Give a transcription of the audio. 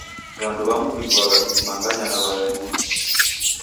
W'andu w'iduagha w'ikimanganya na W'ayahudi!